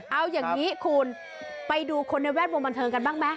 เอาอย่างนี้คุณไปดูคนในแวดวงบันเทิงกันบ้างไหม